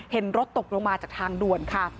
เห็นรถตกลงมาจากทางด่วนค่ะ